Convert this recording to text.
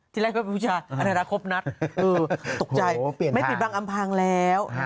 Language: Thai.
ที่แรกไม่มู้จันผมก็เบื้องกับอะไม่ติดปางอำพางแล้ว